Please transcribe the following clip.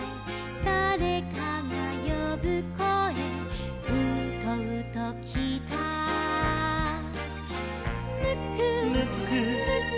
「だれかがよぶこえうとうときいた」「ムック」「」「ムック」「」